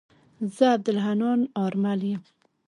زه عبدالحنان آرمل يم.